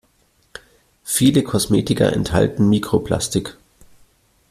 Viele Kosmetika enthalten Mikroplastik.